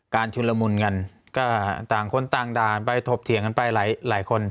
การชุดละมุนกันก็ต่างคนต่างดาวไปทบเถียงกันไปหลายหลายคน